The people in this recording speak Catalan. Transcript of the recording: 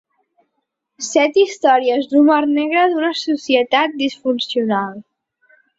Set històries d’humor negre d’una societat disfuncional.